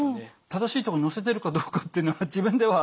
正しい所に乗せてるかどうかっていうのは自分では。